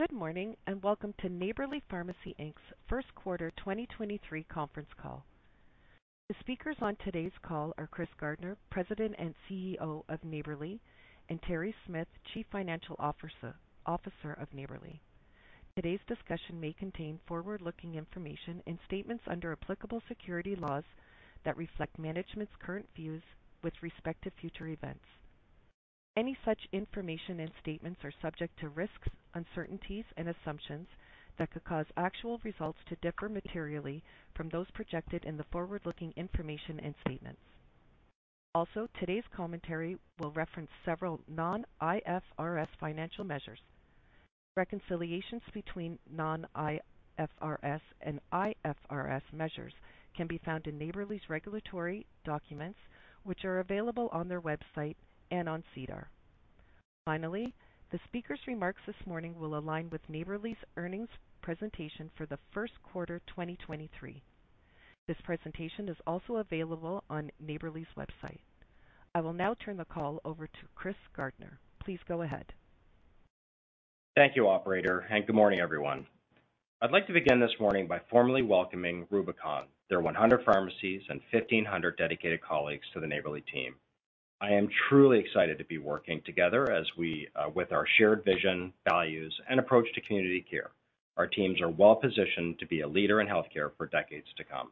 Good morning, and welcome to Neighbourly Pharmacy Inc's first quarter 2023 conference call. The speakers on today's call are Chris Gardner, President and CEO of Neighbourly, and Terri Smyth, Chief Financial Officer of Neighbourly. Today's discussion may contain forward-looking information and statements under applicable securities laws that reflect management's current views with respect to future events. Any such information and statements are subject to risks, uncertainties and assumptions that could cause actual results to differ materially from those projected in the forward-looking information and statements. Also, today's commentary will reference several non-IFRS financial measures. Reconciliations between non-IFRS and IFRS measures can be found in Neighbourly's regulatory documents, which are available on their website and on SEDAR. Finally, the speakers' remarks this morning will align with Neighbourly's earnings presentation for the first quarter 2023. This presentation is also available on Neighbourly's website. I will now turn the call over to Chris Gardner. Please go ahead. Thank you, operator, and good morning, everyone. I'd like to begin this morning by formally welcoming Rubicon, their 100 pharmacies, and 1,500 dedicated colleagues to the Neighbourly team. I am truly excited to be working together as we with our shared vision, values, and approach to community care. Our teams are well-positioned to be a leader in healthcare for decades to come.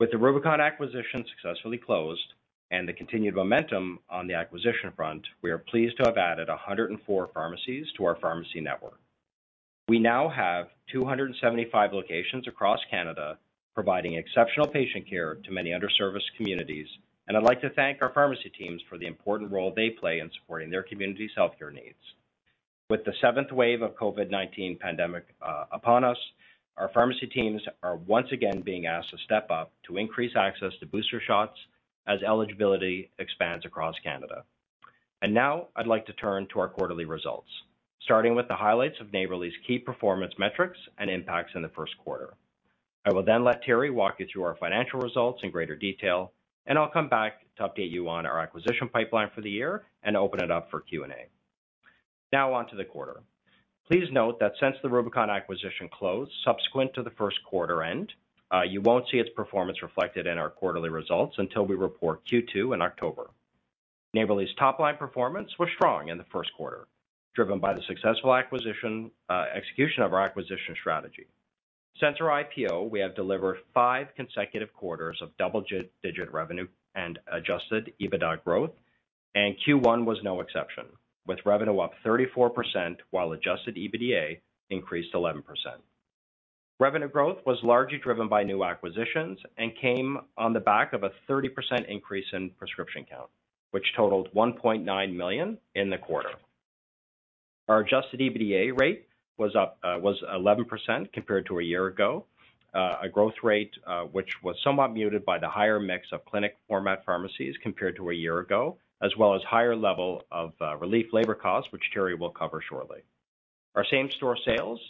With the Rubicon acquisition successfully closed and the continued momentum on the acquisition front, we are pleased to have added 104 pharmacies to our pharmacy network. We now have 275 locations across Canada, providing exceptional patient care to many under-serviced communities, and I'd like to thank our pharmacy teams for the important role they play in supporting their community's healthcare needs. With the seventh wave of COVID-19 pandemic upon us, our pharmacy teams are once again being asked to step up to increase access to booster shots as eligibility expands across Canada. Now I'd like to turn to our quarterly results, starting with the highlights of Neighbourly's key performance metrics and impacts in the first quarter. I will then let Terri walk you through our financial results in greater detail, and I'll come back to update you on our acquisition pipeline for the year and open it up for Q&A. Now on to the quarter. Please note that since the Rubicon acquisition closed subsequent to the first quarter end, you won't see its performance reflected in our quarterly results until we report Q2 in October. Neighbourly's top-line performance was strong in the first quarter, driven by the successful execution of our acquisition strategy. Since our IPO, we have delivered five consecutive quarters of double-digit revenue and adjusted EBITDA growth, and Q1 was no exception, with revenue up 34% while adjusted EBITDA increased 11%. Revenue growth was largely driven by new acquisitions and came on the back of a 30% increase in prescription count, which totaled 1.9 million in the quarter. Our adjusted EBITDA rate was 11% compared to a year ago, a growth rate which was somewhat muted by the higher mix of clinical format pharmacies compared to a year ago, as well as higher level of relief labor costs, which Terri will cover shortly. Our same-store sales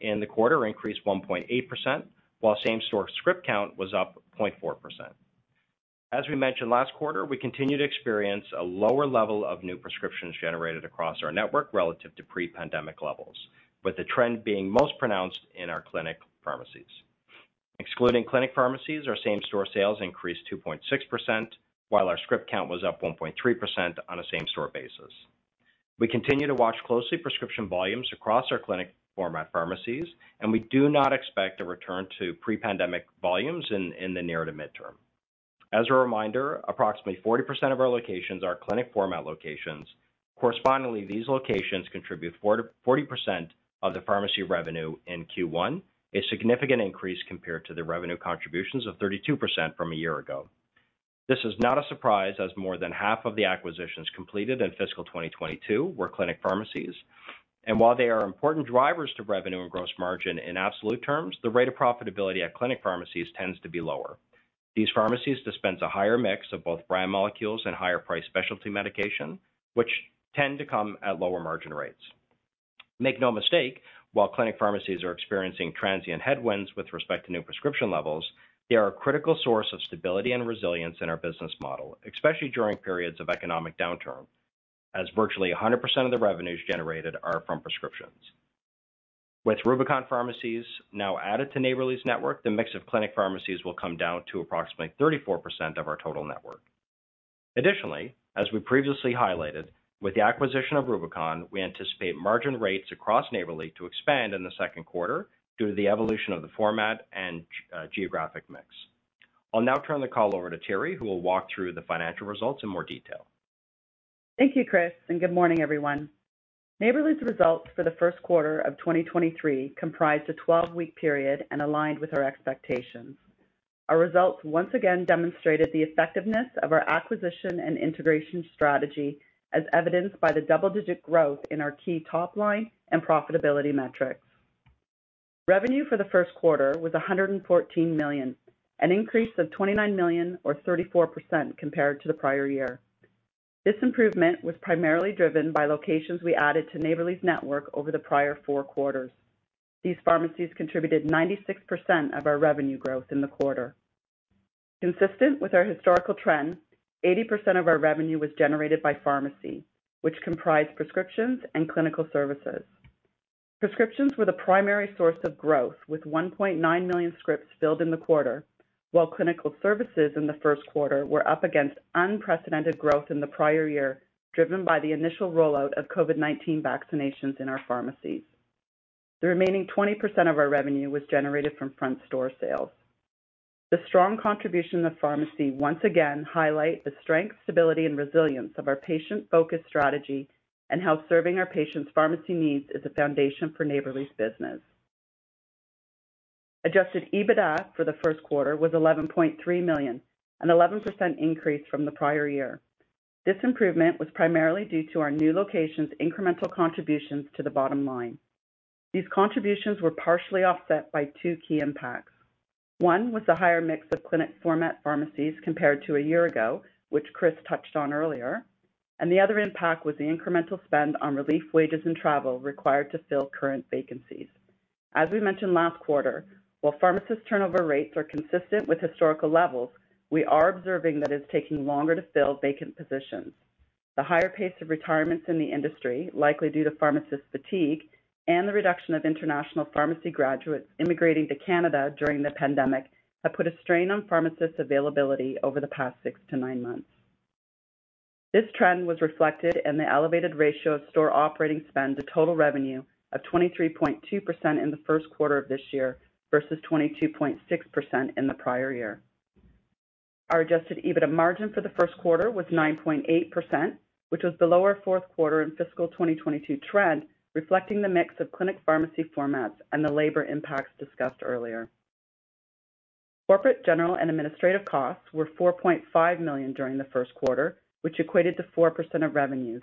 in the quarter increased 1.8%, while same-store script count was up 0.4%. As we mentioned last quarter, we continue to experience a lower level of new prescriptions generated across our network relative to pre-pandemic levels, with the trend being most pronounced in our clinic pharmacies. Excluding clinic pharmacies, our same-store sales increased 2.6%, while our script count was up 1.3% on a same-store basis. We continue to watch closely prescription volumes across our clinic format pharmacies, and we do not expect a return to pre-pandemic volumes in the near to mid-term. As a reminder, approximately 40% of our locations are clinic format locations. Correspondingly, these locations contribute 40% of the pharmacy revenue in Q1, a significant increase compared to the revenue contributions of 32% from a year ago. This is not a surprise, as more than half of the acquisitions completed in fiscal 2022 were clinic pharmacies. While they are important drivers to revenue and gross margin in absolute terms, the rate of profitability at clinic pharmacies tends to be lower. These pharmacies dispense a higher mix of both brand molecules and higher-priced specialty medication, which tend to come at lower margin rates. Make no mistake, while clinic pharmacies are experiencing transient headwinds with respect to new prescription levels, they are a critical source of stability and resilience in our business model, especially during periods of economic downturn, as virtually 100% of the revenues generated are from prescriptions. With Rubicon Pharmacies now added to Neighbourly's network, the mix of clinic pharmacies will come down to approximately 34% of our total network. Additionally, as we previously highlighted, with the acquisition of Rubicon, we anticipate margin rates across Neighbourly to expand in the second quarter due to the evolution of the format and geographic mix. I'll now turn the call over to Terri, who will walk through the financial results in more detail. Thank you, Chris, and good morning, everyone. Neighbourly's results for the first quarter of 2023 comprised a 12-week period and aligned with our expectations. Our results once again demonstrated the effectiveness of our acquisition and integration strategy, as evidenced by the double-digit growth in our key top-line and profitability metrics. Revenue for the first quarter was 114 million, an increase of 29 million or 34% compared to the prior year. This improvement was primarily driven by locations we added to Neighbourly's network over the prior four quarters. These pharmacies contributed 96% of our revenue growth in the quarter. Consistent with our historical trend, 80% of our revenue was generated by pharmacy, which comprised prescriptions and clinical services. Prescriptions were the primary source of growth, with 1.9 million scripts filled in the quarter, while clinical services in the first quarter were up against unprecedented growth in the prior year, driven by the initial rollout of COVID-19 vaccinations in our pharmacies. The remaining 20% of our revenue was generated from front-store sales. The strong contribution of pharmacy once again highlight the strength, stability and resilience of our patient-focused strategy and how serving our patients' pharmacy needs is a foundation for Neighbourly's business. Adjusted EBITDA for the first quarter was 11.3 million, an 11% increase from the prior year. This improvement was primarily due to our new locations' incremental contributions to the bottom line. These contributions were partially offset by two key impacts. One was the higher mix of clinic format pharmacies compared to a year ago, which Chris touched on earlier, and the other impact was the incremental spend on relief wages and travel required to fill current vacancies. As we mentioned last quarter, while pharmacist turnover rates are consistent with historical levels, we are observing that it's taking longer to fill vacant positions. The higher pace of retirements in the industry, likely due to pharmacist fatigue and the reduction of international pharmacy graduates immigrating to Canada during the pandemic, have put a strain on pharmacist availability over the past 6-9 months. This trend was reflected in the elevated ratio of store operating spend to total revenue of 23.2% in the first quarter of this year versus 22.6% in the prior year. Our adjusted EBITDA margin for the first quarter was 9.8%, which was the lower fourth quarter in fiscal 2022 trend, reflecting the mix of clinic pharmacy formats and the labor impacts discussed earlier. Corporate, general and administrative costs were 4.5 million during the first quarter, which equated to 4% of revenues.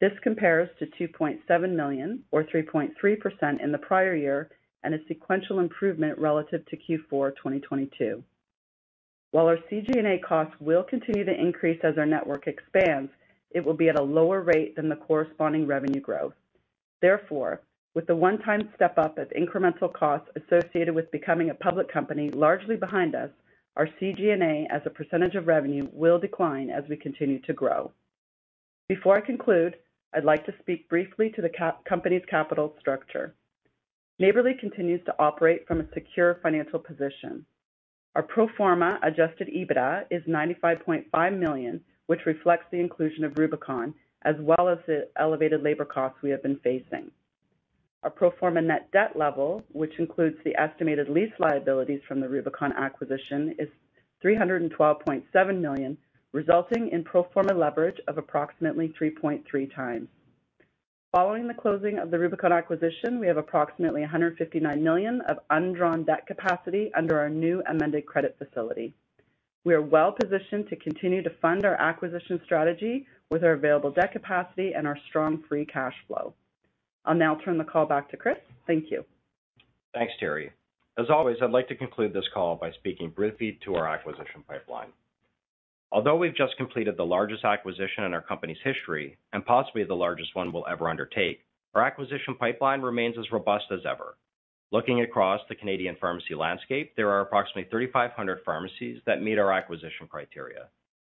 This compares to 2.7 million or 3.3% in the prior year, and a sequential improvement relative to Q4 2022. While our CG&A costs will continue to increase as our network expands, it will be at a lower rate than the corresponding revenue growth. Therefore, with the one-time step-up of incremental costs associated with becoming a public company largely behind us, our CG&A as a percentage of revenue will decline as we continue to grow. Before I conclude, I'd like to speak briefly to the company's capital structure. Neighbourly continues to operate from a secure financial position. Our pro forma adjusted EBITDA is 95.5 million, which reflects the inclusion of Rubicon as well as the elevated labor costs we have been facing. Our pro forma net debt level, which includes the estimated lease liabilities from the Rubicon acquisition, is 312.7 million, resulting in pro forma leverage of approximately 3.3x. Following the closing of the Rubicon acquisition, we have approximately 159 million of undrawn debt capacity under our new amended credit facility. We are well positioned to continue to fund our acquisition strategy with our available debt capacity and our strong free cash flow. I'll now turn the call back to Chris. Thank you. Thanks, Terri. As always, I'd like to conclude this call by speaking briefly to our acquisition pipeline. Although we've just completed the largest acquisition in our company's history and possibly the largest one we'll ever undertake, our acquisition pipeline remains as robust as ever. Looking across the Canadian pharmacy landscape, there are approximately 3,500 pharmacies that meet our acquisition criteria.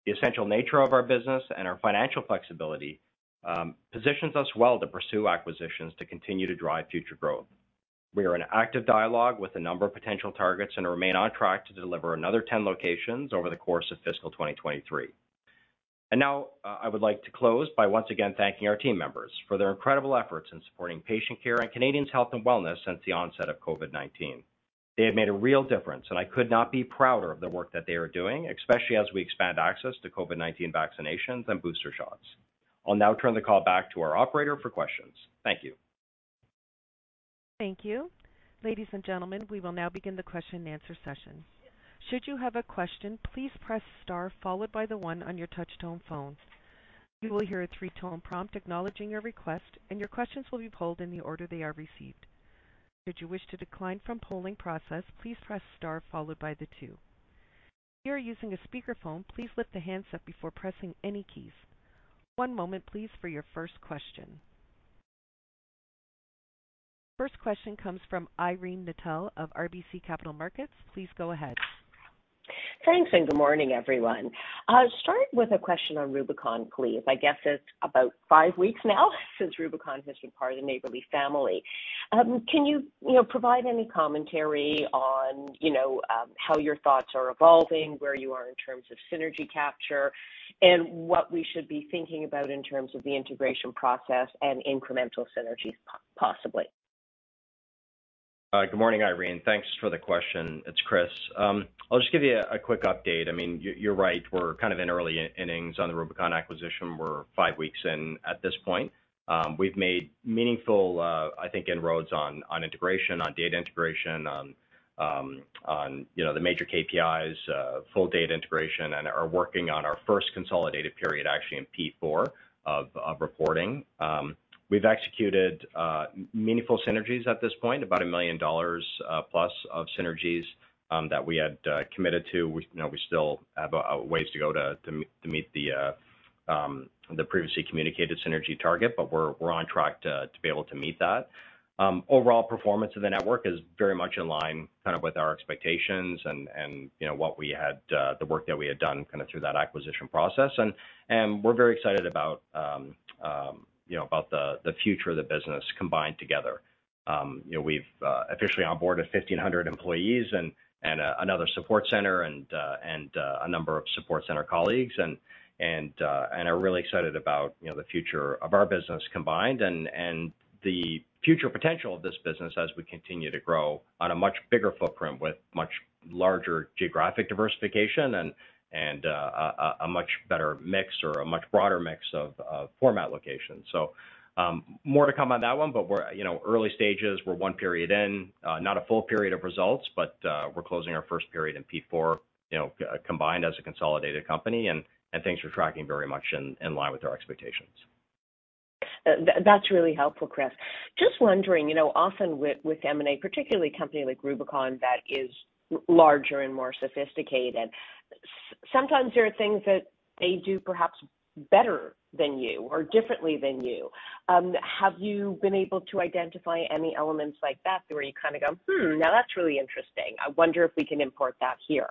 The essential nature of our business and our financial flexibility positions us well to pursue acquisitions to continue to drive future growth. We are in active dialogue with a number of potential targets and remain on track to deliver another 10 locations over the course of fiscal 2023. Now, I would like to close by once again thanking our team members for their incredible efforts in supporting patient care and Canadians' health and wellness since the onset of COVID-19. They have made a real difference, and I could not be prouder of the work that they are doing, especially as we expand access to COVID-19 vaccinations and booster shots. I'll now turn the call back to our operator for questions. Thank you. Thank you. Ladies and gentlemen, we will now begin the question-and-answer session. Should you have a question, please press star followed by the one on your touchtone phone. You will hear a three-tone prompt acknowledging your request, and your questions will be polled in the order they are received. Should you wish to decline from polling process, please press star followed by the two. If you are using a speakerphone, please lift the handset before pressing any keys. One moment, please, for your first question. First question comes from Irene Nattel of RBC Capital Markets. Please go ahead. Thanks, good morning, everyone. Starting with a question on Rubicon, please. I guess it's about five weeks now since Rubicon has been part of the Neighbourly family. Can you know, provide any commentary on, you know, how your thoughts are evolving, where you are in terms of synergy capture, and what we should be thinking about in terms of the integration process and incremental synergies possibly? Good morning, Irene. Thanks for the question. It's Chris. I'll just give you a quick update. I mean, you're right. We're kind of in early innings on the Rubicon acquisition. We're five weeks in at this point. We've made meaningful, I think, inroads on integration, on data integration, on, you know, the major KPIs, full data integration and are working on our first consolidated period, actually, in P4 of reporting. We've executed meaningful synergies at this point, about 1 million dollars plus of synergies that we had committed to. You know, we still have a ways to go to meet the previously communicated synergy target, but we're on track to be able to meet that. Overall performance of the network is very much in line kind of with our expectations and, you know, what we had, the work that we had done kind of through that acquisition process. We're very excited about, you know, about the future of the business combined together. You know, we've officially onboarded 1,500 employees and another support center and a number of support center colleagues and are really excited about, you know, the future of our business combined and the future potential of this business as we continue to grow on a much bigger footprint with much larger geographic diversification and a much better mix or a much broader mix of format locations. More to come on that one, but we're, you know, early stages. We're one period in, not a full period of results, but we're closing our first period in P4, you know, combined as a consolidated company, and things are tracking very much in line with our expectations. That's really helpful, Chris. Just wondering, you know, often with M&A, particularly a company like Rubicon that is larger and more sophisticated, sometimes there are things that they do perhaps better than you or differently than you. Have you been able to identify any elements like that where you kinda go, "Hmm, now that's really interesting. I wonder if we can import that here?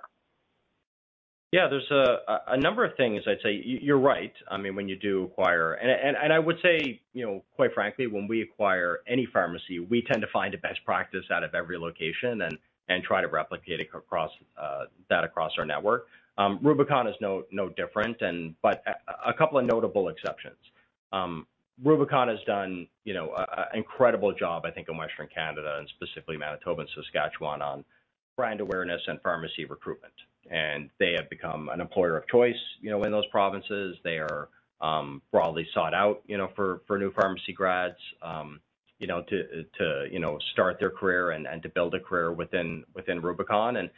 Yeah, there's a number of things I'd say. You're right. I mean, when you do acquire, and I would say, you know, quite frankly, when we acquire any pharmacy, we tend to find a best practice out of every location and try to replicate it across our network. Rubicon is no different, but a couple of notable exceptions. Rubicon has done, you know, an incredible job, I think, in Western Canada and specifically Manitoba and Saskatchewan on brand awareness and pharmacy recruitment. They have become an employer of choice, you know, in those provinces. They are broadly sought out, you know, for new pharmacy grads, you know, to start their career and to build a career within Rubicon.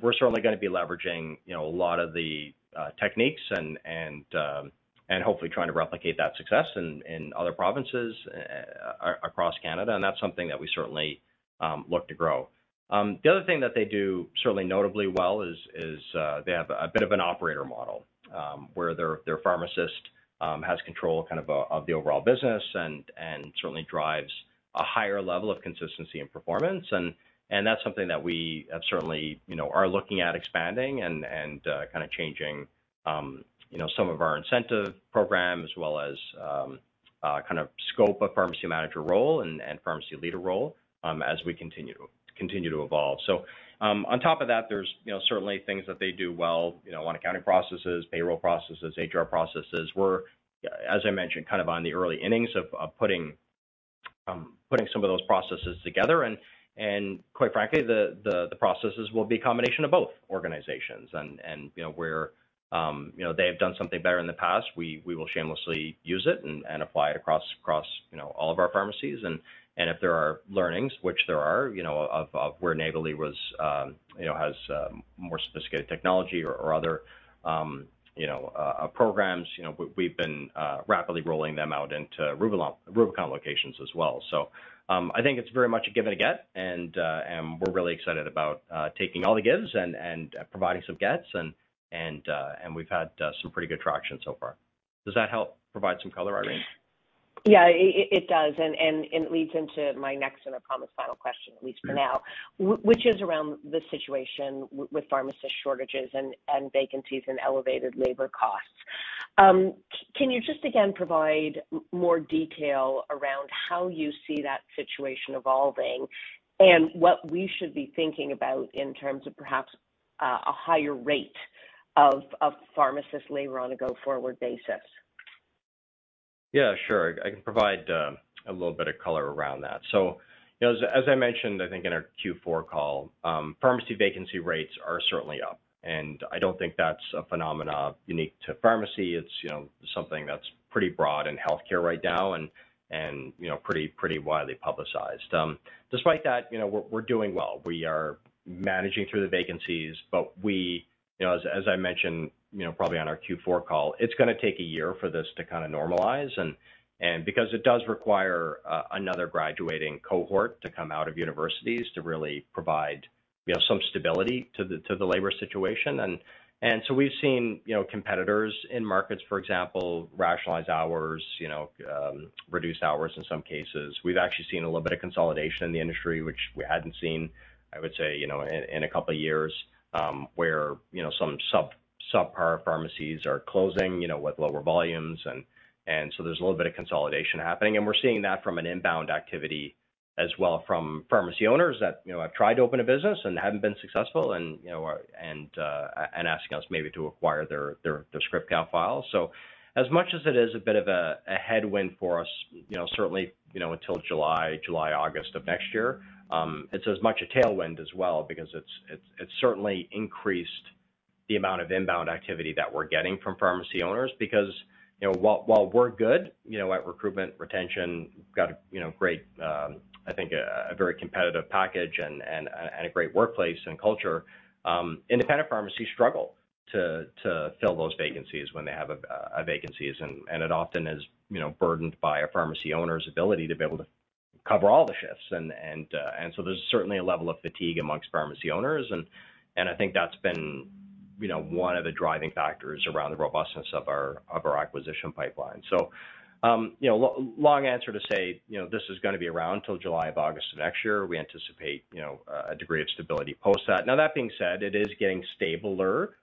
We're certainly gonna be leveraging, you know, a lot of the techniques and hopefully trying to replicate that success in other provinces across Canada, and that's something that we certainly look to grow. The other thing that they do certainly notably well is they have a bit of an operator model, where their pharmacist has control kind of of the overall business and certainly drives a higher level of consistency and performance. That's something that we certainly, you know, are looking at expanding and kind of changing, you know, some of our incentive programs, as well as kind of scope of pharmacy manager role and pharmacy leader role, as we continue to evolve. On top of that, there's, you know, certainly things that they do well, you know, on accounting processes, payroll processes, HR processes. We're, as I mentioned, kind of on the early innings of putting some of those processes together. Quite frankly, the processes will be a combination of both organizations. You know, where they have done something better in the past, we will shamelessly use it and apply it across all of our pharmacies. If there are learnings, which there are, you know, of where Neighbourly has more sophisticated technology or other programs, you know, we've been rapidly rolling them out into Rubicon locations as well. I think it's very much a give and a get, and we're really excited about taking all the gives and providing some gets, and we've had some pretty good traction so far. Does that help provide some color, Irene? Yeah, it does, and it leads into my next, and I promise, final question, at least for now. Mm-hmm Which is around the situation with pharmacist shortages and vacancies and elevated labor costs. Can you just again provide more detail around how you see that situation evolving and what we should be thinking about in terms of perhaps a higher rate of pharmacist labor on a go-forward basis? Yeah, sure. I can provide a little bit of color around that. As I mentioned, I think in our Q4 call, pharmacy vacancy rates are certainly up, and I don't think that's a phenomenon unique to pharmacy. It's something that's pretty broad in healthcare right now and pretty widely publicized. Despite that, we're doing well. We are managing through the vacancies, but as I mentioned, probably on our Q4 call, it's gonna take a year for this to kinda normalize, and because it does require another graduating cohort to come out of universities to really provide some stability to the labor situation. We've seen, you know, competitors in markets, for example, rationalize hours, you know, reduce hours in some cases. We've actually seen a little bit of consolidation in the industry, which we hadn't seen, I would say, you know, in a couple of years, where, you know, some subpar pharmacies are closing, you know, with lower volumes, and so there's a little bit of consolidation happening. We're seeing that from an inbound activity as well from pharmacy owners that, you know, have tried to open a business and haven't been successful and, you know, are asking us maybe to acquire their script count files. As much as it is a bit of a headwind for us, you know, certainly, you know, until July, August of next year, it's as much a tailwind as well because it's certainly increased the amount of inbound activity that we're getting from pharmacy owners. Because, you know, while we're good, you know, at recruitment, retention, got a, you know, great, I think a very competitive package and a great workplace and culture, independent pharmacies struggle to fill those vacancies when they have vacancies. It often is, you know, burdened by a pharmacy owner's ability to be able to cover all the shifts. There's certainly a level of fatigue amongst pharmacy owners and I think that's been one of the driving factors around the robustness of our acquisition pipeline. You know, long answer to say, you know, this is gonna be around till July or August of next year. We anticipate, you know, a degree of stability post that. Now, that being said, it is getting stabler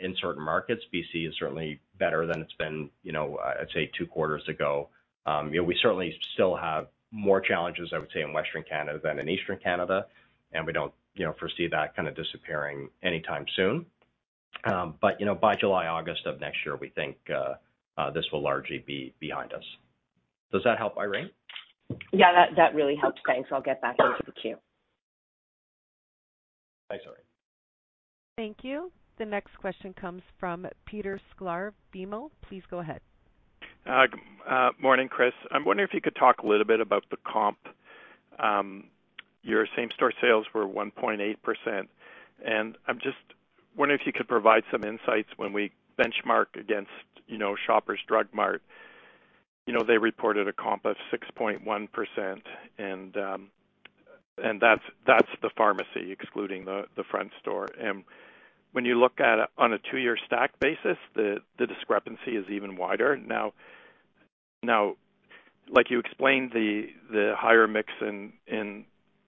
in certain markets. BC is certainly better than it's been, you know, I'd say two quarters ago. You know, we certainly still have more challenges, I would say, in Western Canada than in Eastern Canada, and we don't, you know, foresee that kind of disappearing anytime soon. But, you know, by July, August of next year, we think this will largely be behind us. Does that help, Irene? Yeah, that really helps. Thanks. I'll get back into the queue. Thanks, Irene. Thank you. The next question comes from Peter Sklar, BMO. Please go ahead. Good morning, Chris. I'm wondering if you could talk a little bit about the comp. Your same-store sales were 1.8%, and I'm just wondering if you could provide some insights when we benchmark against, you know, Shoppers Drug Mart. You know, they reported a comp of 6.1%, and that's the pharmacy excluding the front store. When you look at it on a two-year stack basis, the discrepancy is even wider. Now, like you explained, the higher mix in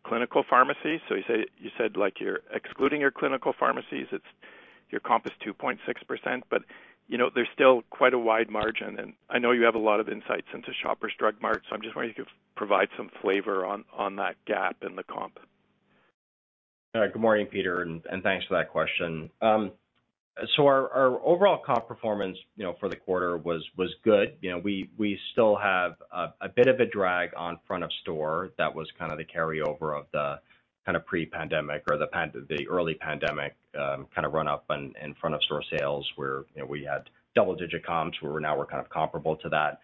clinical pharmacy. You said like you're excluding your clinical pharmacies, it's your comp is 2.6%, but, you know, there's still quite a wide margin. I know you have a lot of insights into Shoppers Drug Mart, so I'm just wondering if you could provide some flavor on that gap in the comp. Good morning, Peter, and thanks for that question. Our overall comp performance, you know, for the quarter was good. You know, we still have a bit of a drag on front store that was kind of the carryover of the kind of pre-pandemic or the early pandemic kind of run up in front store sales where, you know, we had double-digit comps, where now we're kind of comparable to that.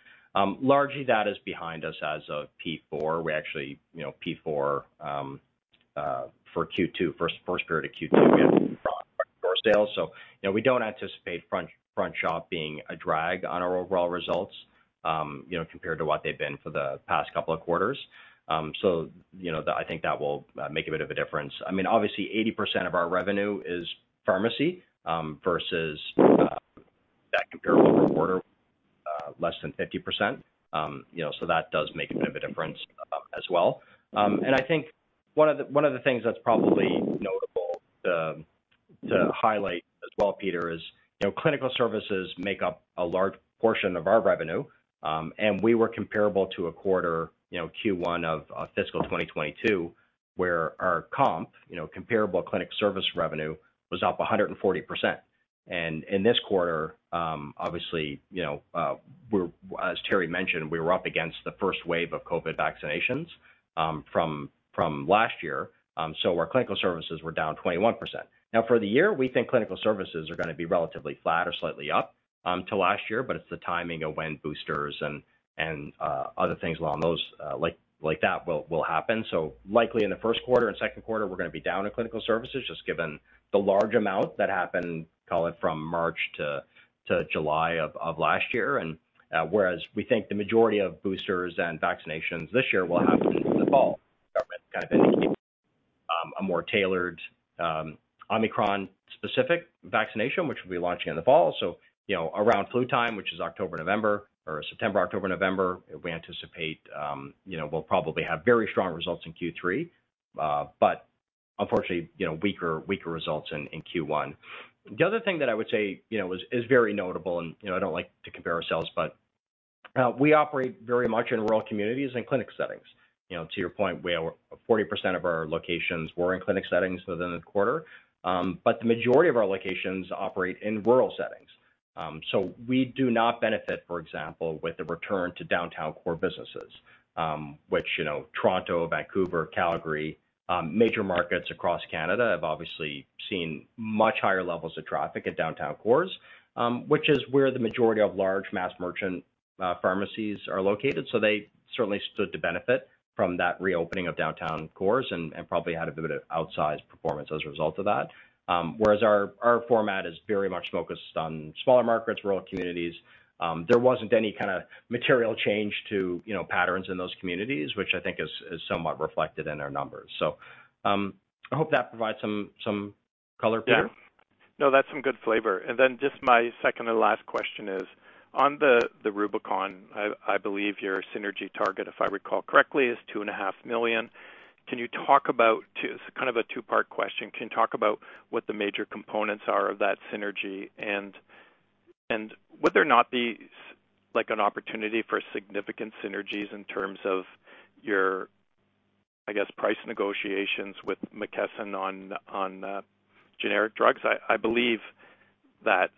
Largely that is behind us as of P4. We actually, you know, P4 for Q2, first period of Q2, we had front store sales. You know, we don't anticipate front store being a drag on our overall results, you know, compared to what they've been for the past couple of quarters. You know, I think that will make a bit of a difference. I mean, obviously, 80% of our revenue is pharmacy versus that comparable quarter less than 50%. You know, that does make a bit of a difference as well. I think one of the things that's probably notable to highlight as well, Peter, is you know, clinical services make up a large portion of our revenue. We were comparable to a quarter you know, Q1 of fiscal 2022, where our comparable clinical services revenue was up 140%. In this quarter, obviously, you know, as Terri mentioned, we were up against the first wave of COVID vaccinations from last year. Our clinical services were down 21%. Now, for the year, we think clinical services are gonna be relatively flat or slightly up to last year, but it's the timing of when boosters and other things along those lines will happen. Likely in the first quarter and second quarter, we're gonna be down in clinical services just given the large amount that happened, call it from March to July of last year, whereas we think the majority of boosters and vaccinations this year will happen in the fall. The government kind of indicating a more tailored Omicron-specific vaccination, which will be launching in the fall. You know, around flu time, which is September, October, November, we anticipate, you know, we'll probably have very strong results in Q3. Unfortunately, you know, weaker results in Q1. The other thing that I would say, you know, is very notable, and you know, I don't like to compare ourselves, but we operate very much in rural communities and clinic settings. You know, to your point, 40% of our locations were in clinic settings within the quarter. The majority of our locations operate in rural settings. We do not benefit, for example, with the return to downtown core businesses, which, you know, Toronto, Vancouver, Calgary, major markets across Canada have obviously seen much higher levels of traffic at downtown cores, which is where the majority of large mass merchant pharmacies are located. They certainly stood to benefit from that reopening of downtown cores and probably had a bit of outsized performance as a result of that. Whereas our format is very much focused on smaller markets, rural communities. There wasn't any kind of material change to, you know, patterns in those communities, which I think is somewhat reflected in our numbers. I hope that provides some color, Peter. Yeah. No, that's some good flavor. Then just my second to last question is, on the Rubicon, I believe your synergy target, if I recall correctly, is 2.5 million. Can you talk about, so kind of a two-part question. Can you talk about what the major components are of that synergy? And would there not be like an opportunity for significant synergies in terms of your, I guess, price negotiations with McKesson on generic drugs? I believe that,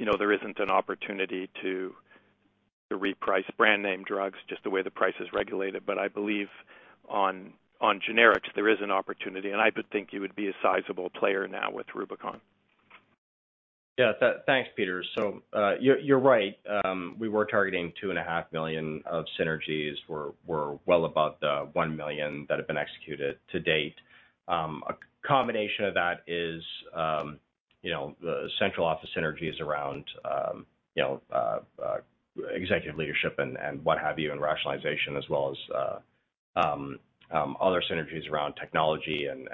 you know, there isn't an opportunity to reprice brand name drugs just the way the price is regulated. But I believe on generics, there is an opportunity, and I would think you would be a sizable player now with Rubicon. Yeah. Thanks, Peter. You're right. We were targeting 2.5 million of synergies. We're well above the 1 million that have been executed to date. A combination of that is, you know, the central office synergies around, you know, executive leadership and what have you, and rationalization as well as, other synergies around technology and,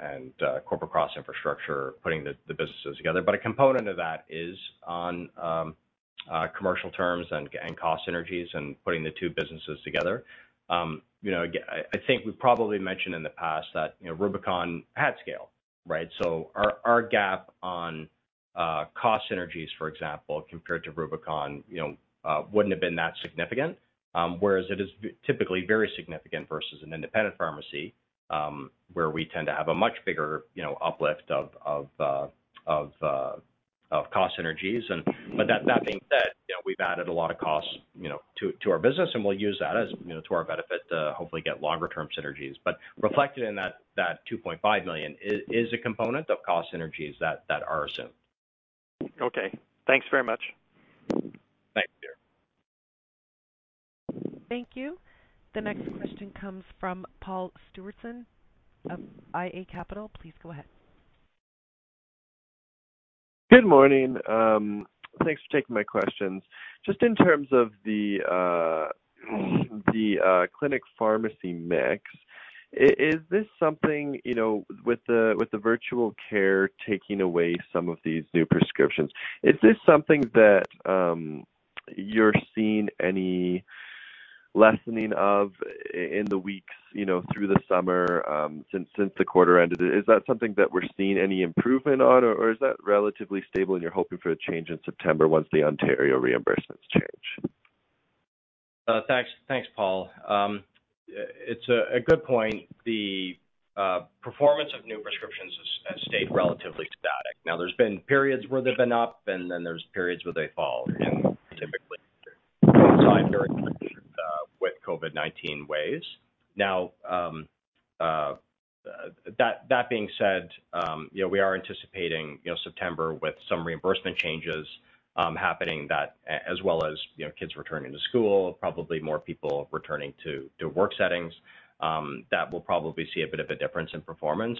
corporate cross infrastructure, putting the businesses together. A component of that is on, commercial terms and cost synergies and putting the two businesses together. You know, I think we probably mentioned in the past that, you know, Rubicon had scale, right? Our gap on, cost synergies, for example, compared to Rubicon, you know, wouldn't have been that significant. Whereas it is typically very significant versus an independent pharmacy, where we tend to have a much bigger, you know, uplift of cost synergies. That being said, you know, we've added a lot of costs, you know, to our business, and we'll use that as, you know, to our benefit to hopefully get longer term synergies. Reflected in that 2.5 million is a component of cost synergies that are assumed. Okay. Thanks very much. Thanks, Peter. Thank you. The next question comes from Paul Stewardson of iA Capital. Please go ahead. Good morning. Thanks for taking my questions. Just in terms of the clinical pharmacy mix, is this something, you know, with the virtual care taking away some of these new prescriptions, is this something that you're seeing any lessening of in the weeks, you know, through the summer, since the quarter ended? Is that something that we're seeing any improvement on, or is that relatively stable and you're hoping for a change in September once the Ontario reimbursements change? Thanks. Thanks, Paul. It's a good point. The performance of new prescriptions has stayed relatively static. Now, there's been periods where they've been up, and then there's periods where they fall, and typically with COVID-19 waves. Now, that being said, you know, we are anticipating, you know, September with some reimbursement changes happening as well as, you know, kids returning to school, probably more people returning to work settings, that we'll probably see a bit of a difference in performance.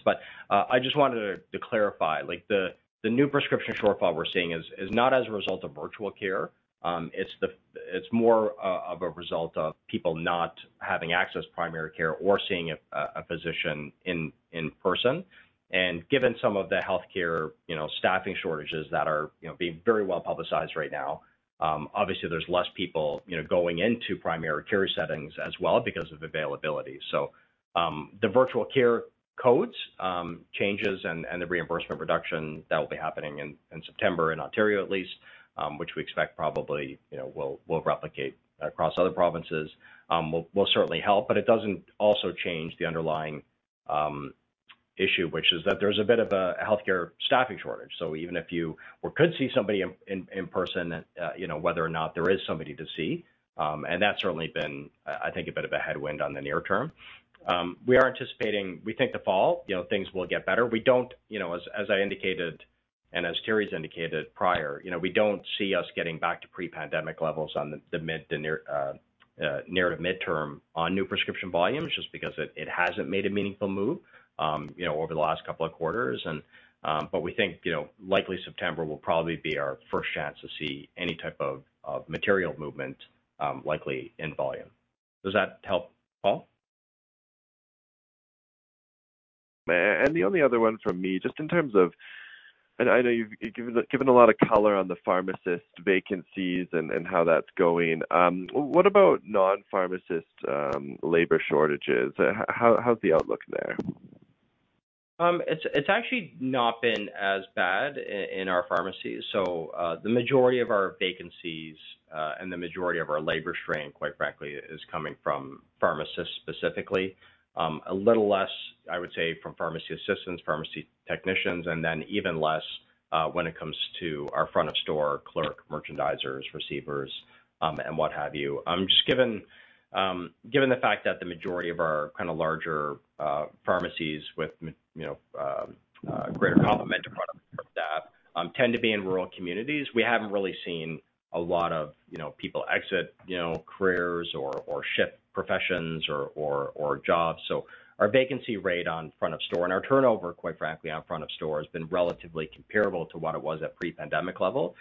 I just wanted to clarify, like, the new prescription shortfall we're seeing is not as a result of virtual care. It's more of a result of people not having access to primary care or seeing a physician in person. Given some of the healthcare, you know, staffing shortages that are, you know, being very well publicized right now, obviously there's less people, you know, going into primary care settings as well because of availability. The virtual care codes changes and the reimbursement reduction that will be happening in September in Ontario at least, which we expect probably, you know, will replicate across other provinces, will certainly help. But it doesn't also change the underlying issue, which is that there's a bit of a healthcare staffing shortage. So even if you could see somebody in person, you know, whether or not there is somebody to see, and that's certainly been, I think, a bit of a headwind on the near term. We think the fall, you know, things will get better. We don't, you know, as I indicated, and as Terri's indicated prior, you know, we don't see us getting back to pre-pandemic levels on the mid to near to midterm on new prescription volumes just because it hasn't made a meaningful move, you know, over the last couple of quarters and but we think, you know, likely September will probably be our first chance to see any type of material movement, likely in volume. Does that help, Paul? The only other one from me, just in terms of, and I know you've given a lot of color on the pharmacist vacancies and how that's going. What about non-pharmacist labor shortages? How's the outlook there? It's actually not been as bad in our pharmacies. The majority of our vacancies and the majority of our labor strain, quite frankly, is coming from pharmacists specifically. A little less, I would say, from pharmacy assistants, pharmacy technicians, and then even less when it comes to our front of store, clerk, merchandisers, receivers, and what have you. Just given the fact that the majority of our kind of larger pharmacies with, you know, greater complementary products like that tend to be in rural communities. We haven't really seen a lot of, you know, people exit, you know, careers or shift professions or jobs. Our vacancy rate on front of store and our turnover, quite frankly, on front of store has been relatively comparable to what it was at pre-pandemic level.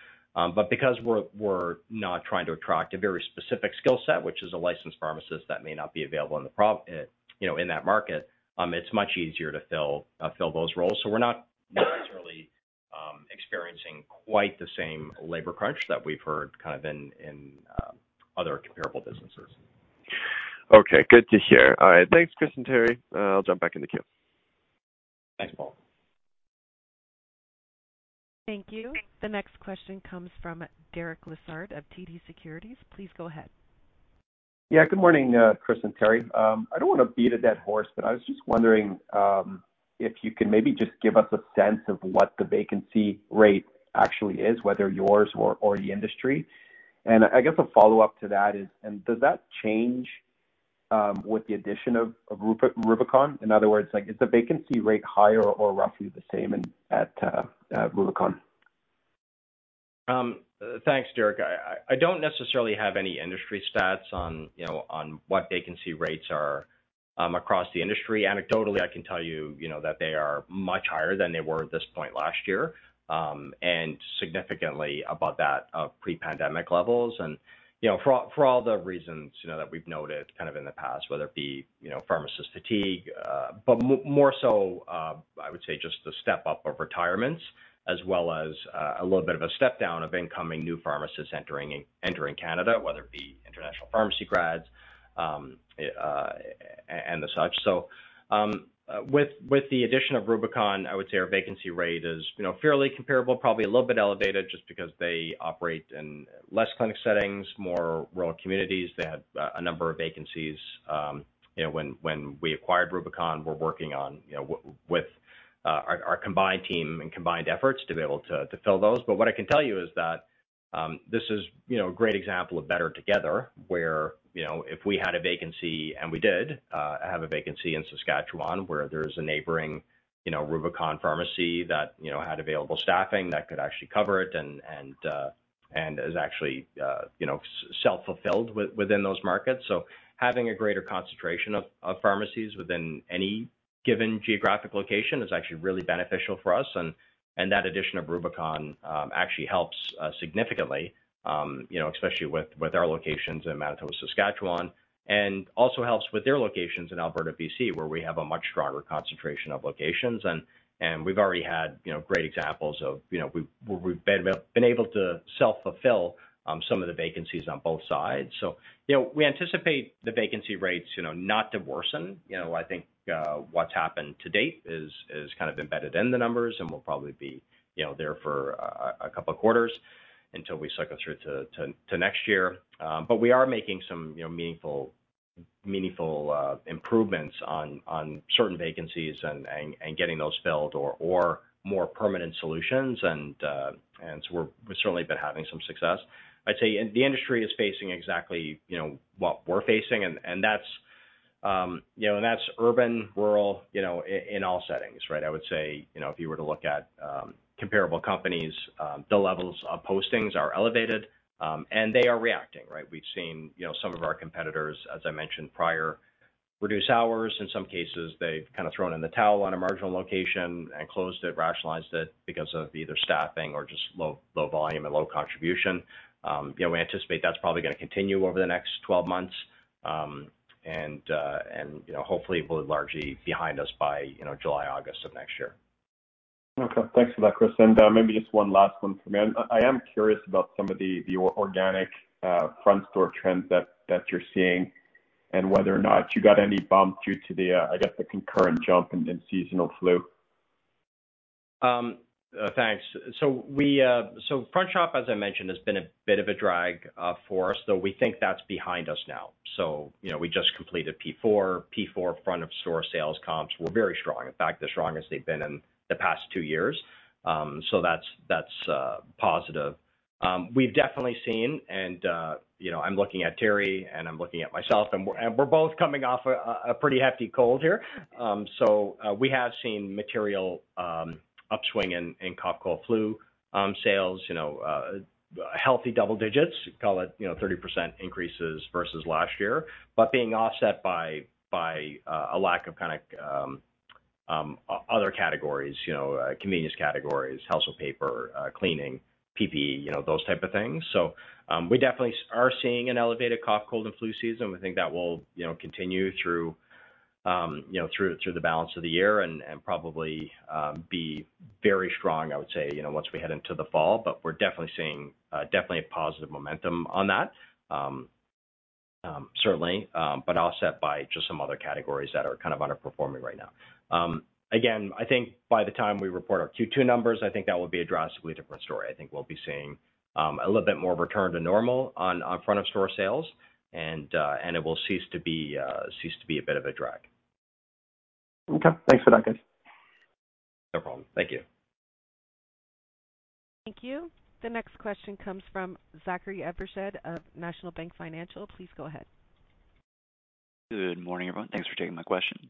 Because we're not trying to attract a very specific skill set, which is a licensed pharmacist that may not be available, you know, in that market, it's much easier to fill those roles. We're not necessarily experiencing quite the same labor crunch that we've heard kind of in other comparable businesses. Okay, good to hear. All right. Thanks, Chris and Terri. I'll jump back in the queue. Thanks, Paul. Thank you. The next question comes from Derek Lessard of TD Securities. Please go ahead. Yeah, good morning, Chris and Terri. I don't wanna beat a dead horse, but I was just wondering if you could maybe just give us a sense of what the vacancy rate actually is, whether yours or the industry. I guess a follow-up to that is, and does that change with the addition of Rubicon? In other words, like, is the vacancy rate higher or roughly the same in at Rubicon? Thanks, Derek. I don't necessarily have any industry stats on, you know, on what vacancy rates are, across the industry. Anecdotally, I can tell you know, that they are much higher than they were at this point last year, and significantly above that of pre-pandemic levels. You know, for all the reasons, you know, that we've noted kind of in the past, whether it be, you know, pharmacist fatigue, but more so, I would say just the step-up of retirements as well as, a little bit of a step-down of incoming new pharmacists entering Canada, whether it be international pharmacy grads, and as such. With the addition of Rubicon, I would say our vacancy rate is, you know, fairly comparable, probably a little bit elevated just because they operate in less clinical settings, more rural communities. They had a number of vacancies. When we acquired Rubicon, we're working on our combined team and combined efforts to be able to fill those. But what I can tell you is that this is a great example of better together, where if we had a vacancy, and we did have a vacancy in Saskatchewan where there's a neighboring Rubicon pharmacy that had available staffing that could actually cover it and is actually self-fulfilled within those markets. Having a greater concentration of pharmacies within any given geographic location is actually really beneficial for us. That addition of Rubicon actually helps significantly, you know, especially with our locations in Manitoba, Saskatchewan, and also helps with their locations in Alberta, BC, where we have a much stronger concentration of locations. We've already had, you know, great examples of, you know, where we've been able to self-fulfill some of the vacancies on both sides. We anticipate the vacancy rates, you know, not to worsen. I think what's happened to date is kind of embedded in the numbers and will probably be, you know, there for a couple of quarters until we cycle through to next year. We are making some, you know, meaningful improvements on certain vacancies and getting those filled or more permanent solutions. We've certainly been having some success. I'd say the industry is facing exactly, you know, what we're facing, and that's urban, rural, you know, in all settings, right? I would say, you know, if you were to look at comparable companies, the levels of postings are elevated, and they are reacting, right? We've seen, you know, some of our competitors, as I mentioned prior, reduce hours. In some cases, they've kind of thrown in the towel on a marginal location and closed it, rationalized it because of either staffing or just low volume and low contribution. You know, we anticipate that's probably gonna continue over the next 12 months. You know, hopefully it will be largely behind us by, you know, July, August of next year. Okay. Thanks for that, Chris. Maybe just one last one for me. I am curious about some of the organic front store trends that you're seeing and whether or not you got any bump due to the, I guess, the concurrent jump in seasonal flu. Thanks. Front store, as I mentioned, has been a bit of a drag for us. We think that's behind us now. So, you know, we just completed P4. P4 front of store sales comps were very strong, in fact, the strongest they've been in the past two years. That's positive. We've definitely seen and you know, I'm looking at Terri and I'm looking at myself, and we're both coming off a pretty hefty cold here. We have seen material upswing in cough, cold, flu sales, you know, healthy double digits, call it, you know, 30% increases versus last year. Being offset by a lack of kind of other categories, you know, convenience categories, household paper, cleaning, PPE, you know, those type of things. We definitely are seeing an elevated cough, cold, and flu season. We think that will, you know, continue through the balance of the year and probably be very strong, I would say, you know, once we head into the fall. We're definitely seeing definitely a positive momentum on that, certainly, but offset by just some other categories that are kind of underperforming right now. Again, I think by the time we report our Q2 numbers, I think that will be a drastically different story. I think we'll be seeing a little bit more return to normal on front of store sales and it will cease to be a bit of a drag. Okay. Thanks for that, Chris. No problem. Thank you. Thank you. The next question comes from Zachary Evershed of National Bank Financial. Please go ahead. Good morning, everyone. Thanks for taking my questions.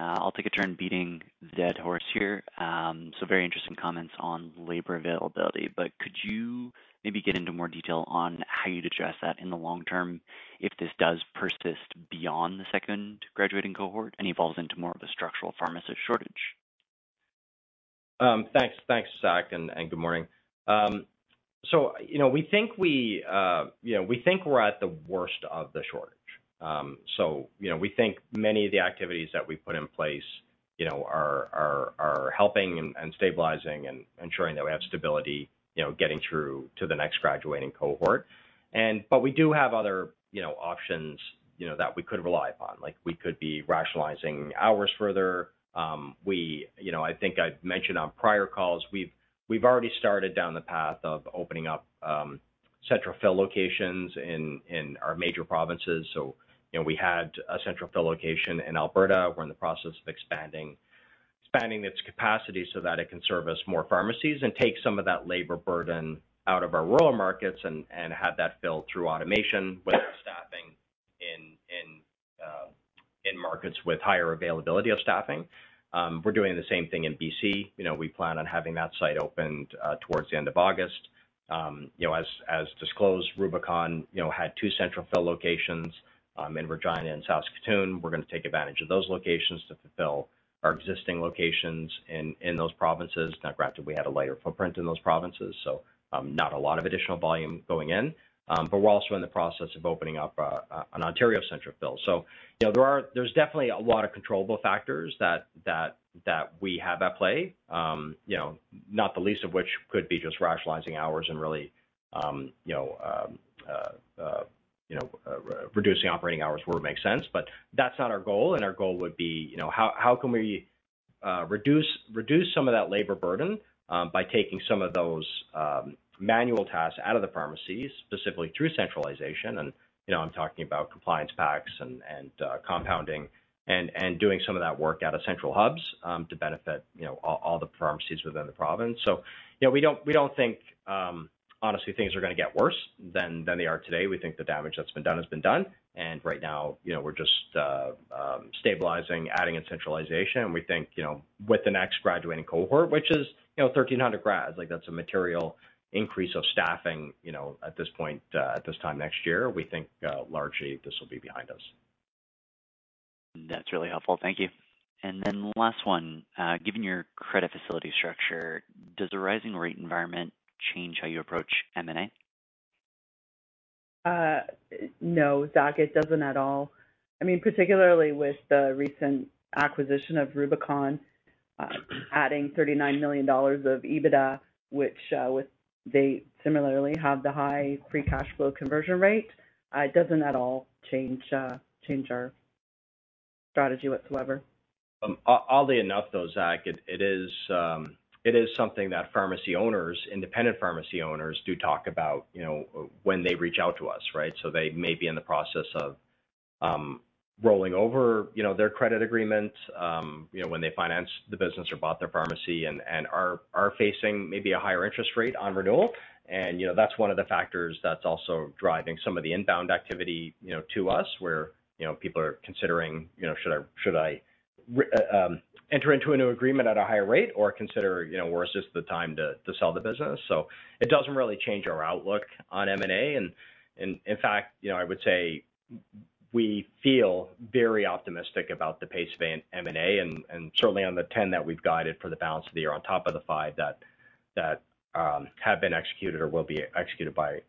I'll take a turn beating a dead horse here. Very interesting comments on labor availability, but could you maybe get into more detail on how you'd address that in the long term if this does persist beyond the second graduating cohort and evolves into more of a structural pharmacist shortage? Thanks. Thanks, Zach, and good morning. You know, we think we're at the worst of the shortage. You know, we think many of the activities that we put in place, you know, are helping and stabilizing and ensuring that we have stability, you know, getting through to the next graduating cohort. We do have other, you know, options, you know, that we could rely upon. Like, we could be rationalizing hours further. You know, I think I've mentioned on prior calls, we've already started down the path of opening up central fill locations in our major provinces. You know, we had a central fill location in Alberta. We're in the process of expanding its capacity so that it can service more pharmacies and take some of that labor burden out of our rural markets and have that filled through automation with staffing in markets with higher availability of staffing. We're doing the same thing in BC. You know, we plan on having that site opened towards the end of August. You know, as disclosed, Rubicon, you know, had two central fill locations in Regina and Saskatoon. We're gonna take advantage of those locations to fulfill our existing locations in those provinces. Now, granted, we had a lighter footprint in those provinces, so not a lot of additional volume going in. We're also in the process of opening up an Ontario central fill. You know, there is definitely a lot of controllable factors that we have at play. You know, not the least of which could be just rationalizing hours and really, you know, reducing operating hours where it makes sense. That's not our goal, and our goal would be, you know, how can we reduce some of that labor burden by taking some of those manual tasks out of the pharmacies, specifically through centralization. You know, I'm talking about compliance packs and compounding and doing some of that work out of central hubs to benefit, you know, all the pharmacies within the province. You know, we don't think honestly things are gonna get worse than they are today. We think the damage that's been done has been done. Right now, you know, we're just stabilizing, adding in centralization. We think, you know, with the next graduating cohort, which is, you know, 1,300 grads, like, that's a material increase of staffing, you know, at this point, at this time next year. We think largely this will be behind us. That's really helpful. Thank you. Last one. Given your credit facility structure, does the rising rate environment change how you approach M&A? No, Zach, it doesn't at all. I mean, particularly with the recent acquisition of Rubicon Pharmacies, adding 39 million dollars of EBITDA, which they similarly have the high free cash flow conversion rate, it doesn't at all change our strategy whatsoever. Oddly enough, though, Zach, it is something that pharmacy owners, independent pharmacy owners do talk about, you know, when they reach out to us, right? They may be in the process of rolling over, you know, their credit agreement, you know, when they financed the business or bought their pharmacy and are facing maybe a higher interest rate on renewal. That's one of the factors that's also driving some of the inbound activity, you know, to us, where, you know, people are considering, you know, should I enter into a new agreement at a higher rate or consider, you know, well, is this the time to sell the business? It doesn't really change our outlook on M&A. In fact, you know, I would say we feel very optimistic about the pace of M&A, and certainly on the 10 that we've guided for the balance of the year on top of the five that have been executed or will be executed by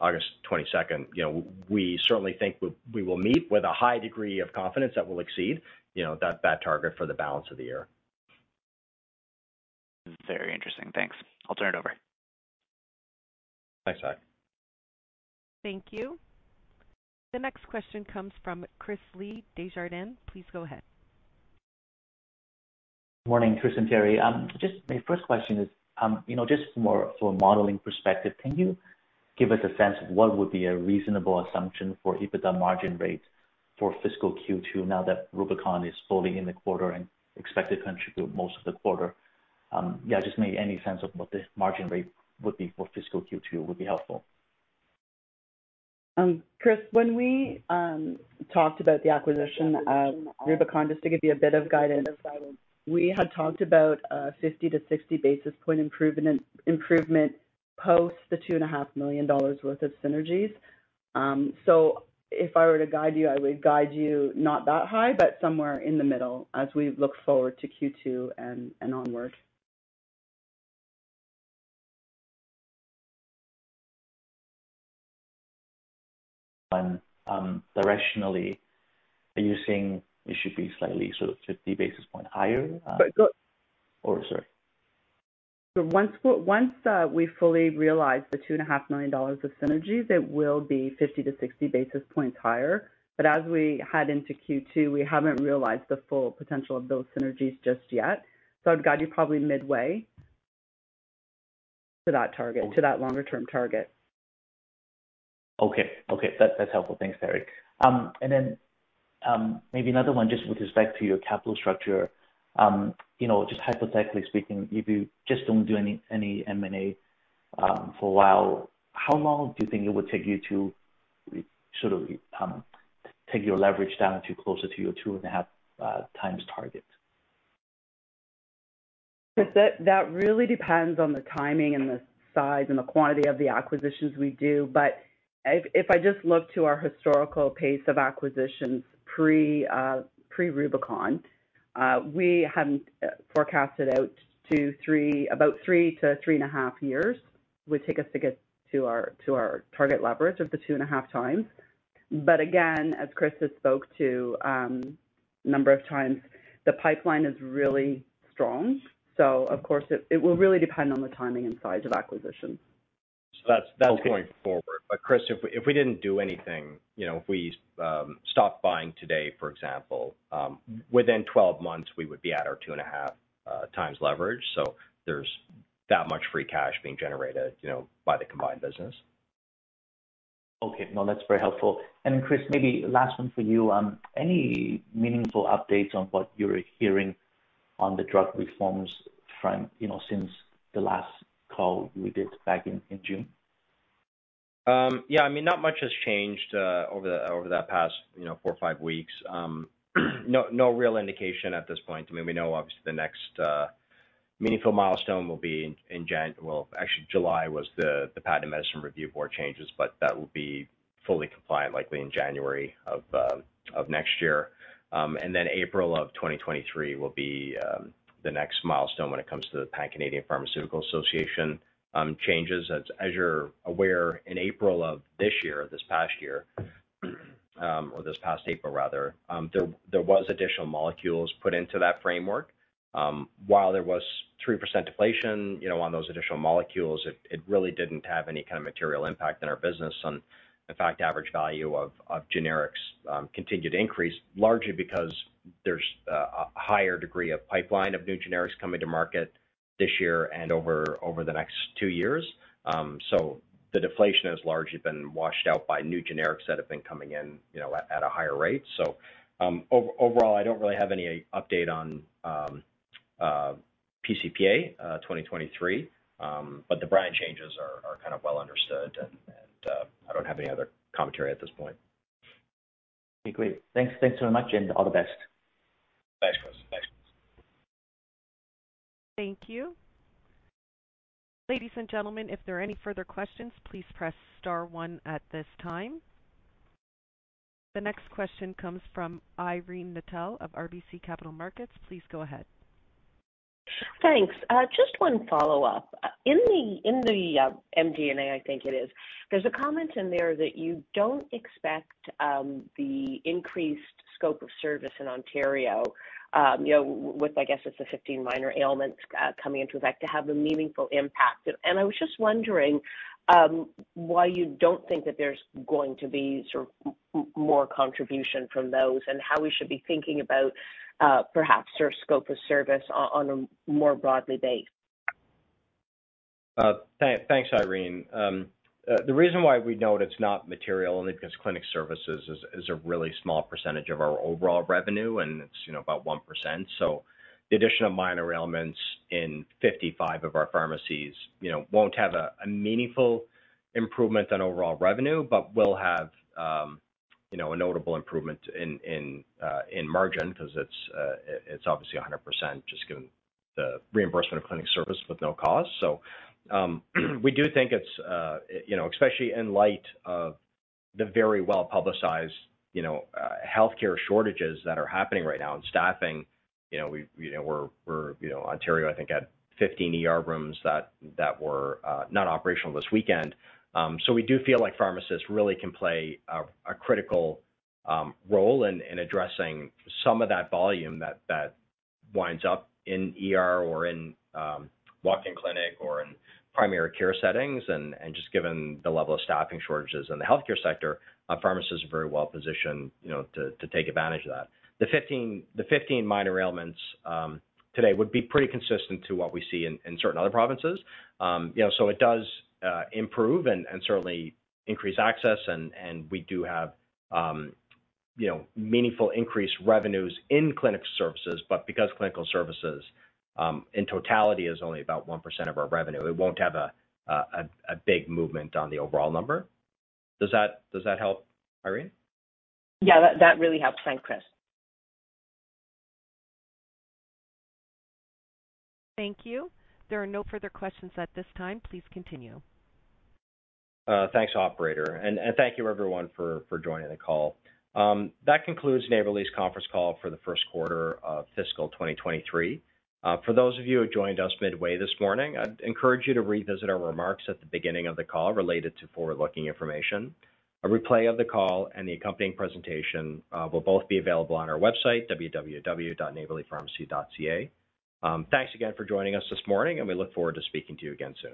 August 22nd. You know, we certainly think we will meet with a high degree of confidence that we'll exceed, you know, that target for the balance of the year. Very interesting. Thanks. I'll turn it over. Thanks, Zach. Thank you. The next question comes from Chris Li, Desjardins. Please go ahead. Morning, Chris and Terri. Just my first question is, you know, just more for a modeling perspective, can you give us a sense of what would be a reasonable assumption for EBITDA margin rates for fiscal Q2 now that Rubicon is fully in the quarter and expected to contribute most of the quarter? Yeah, just maybe any sense of what the margin rate would be for fiscal Q2 would be helpful. Chris, when we talked about the acquisition of Rubicon, just to give you a bit of guidance, we had talked about a 50 basis point-60 basis point improvement post the 2.5 million dollars worth of synergies. So if I were to guide you, I would guide you not that high, but somewhere in the middle as we look forward to Q2 and onward. Directionally, are you saying it should be slightly sort of 50 basis point higher? But go- Sorry. Once we fully realize the 2.5 million dollars of synergies, it will be 50 basis point-60 basis points higher. As we head into Q2, we haven't realized the full potential of those synergies just yet. I'd guide you probably midway to that target, to that longer-term target. Okay. That's helpful. Thanks, Terri. Then maybe another one just with respect to your capital structure. You know, just hypothetically speaking, if you just don't do any M&A for a while, how long do you think it would take you to sort of take your leverage down to closer to your 2.5x target? Chris, that really depends on the timing and the size and the quantity of the acquisitions we do. If I just look to our historical pace of acquisitions pre-Rubicon, we hadn't forecasted out to about 3-3.5 years would take us to get to our target leverage of the 2.5x. Again, as Chris has spoken to number of times, the pipeline is really strong. Of course it will really depend on the timing and size of acquisitions. That's going forward. Chris, if we didn't do anything, you know, if we stopped buying today, for example, within 12 months, we would be at our 2.5x leverage. There's that much free cash being generated, you know, by the combined business. Okay. No, that's very helpful. Then, Chris, maybe last one for you. Any meaningful updates on what you're hearing on the drug reforms front, you know, since the last call we did back in June? Yeah, I mean, not much has changed over the past, you know, four or five weeks. No real indication at this point. I mean, we know obviously the next meaningful milestone will be. Well, actually July was the Patented Medicine Prices Review Board changes, but that will be fully compliant likely in January of next year. April of 2023 will be the next milestone when it comes to the Pan-Canadian Pharmaceutical Alliance changes. As you're aware, in April of this year, this past year, or this past April rather, there was additional molecules put into that framework. While there was 3% deflation, you know, on those additional molecules, it really didn't have any kind of material impact in our business. In fact, average value of generics continued to increase, largely because there's a higher degree of pipeline of new generics coming to market this year and over the next two years. The deflation has largely been washed out by new generics that have been coming in, you know, at a higher rate. Overall, I don't really have any update on PCPA 2023. The brand changes are kind of well understood and I don't have any other commentary at this point. Okay, great. Thanks. Thanks so much and all the best. Thanks, Chris. Thanks. Thank you. Ladies and gentlemen, if there are any further questions, please press star one at this time. The next question comes from Irene Nattel of RBC Capital Markets. Please go ahead. Thanks. Just one follow-up. In the MD&A, I think it is, there's a comment in there that you don't expect the increased scope of service in Ontario, with, I guess it's the 15 minor ailments, coming into effect to have a meaningful impact. I was just wondering why you don't think that there's going to be sort of more contribution from those and how we should be thinking about perhaps your scope of service on a broader basis. Thanks, Irene. The reason why we know it's not material, only because clinical services is a really small percentage of our overall revenue, and it's, you know, about 1%. The addition of minor ailments in 55 of our pharmacies, you know, won't have a meaningful improvement on overall revenue, but will have, you know, a notable improvement in margin because it's obviously 100% just given the reimbursement of clinical service with no cost. We do think it's, you know, especially in light of the very well-publicized, you know, healthcare shortages that are happening right now in staffing. You know, Ontario, I think had 15 ER rooms that were not operational this weekend. We do feel like pharmacists really can play a critical role in addressing some of that volume that winds up in ER or in walk-in clinic or in primary care settings. Just given the level of staffing shortages in the healthcare sector, pharmacists are very well positioned, you know, to take advantage of that. The 15 minor ailments today would be pretty consistent to what we see in certain other provinces. You know, it does improve and certainly increase access. We do have, you know, meaningful increased revenues in clinical services, but because clinical services in totality is only about 1% of our revenue, it won't have a big movement on the overall number. Does that help, Irene? Yeah, that really helps. Thanks, Chris. Thank you. There are no further questions at this time. Please continue. Thanks, operator. Thank you everyone for joining the call. That concludes Neighbourly's conference call for the first quarter of fiscal 2023. For those of you who joined us midway this morning, I'd encourage you to revisit our remarks at the beginning of the call related to forward-looking information. A replay of the call and the accompanying presentation will both be available on our website, www.neighbourlypharmacy.ca. Thanks again for joining us this morning, and we look forward to speaking to you again soon.